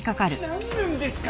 なんなんですか？